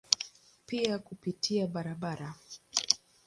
Pia kupitia barabara.